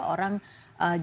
orang jadi lebih kecewa